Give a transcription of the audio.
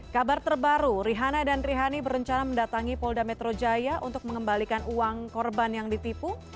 kabar terbaru rihana dan rihani berencana mendatangi polda metro jaya untuk mengembalikan uang korban yang ditipu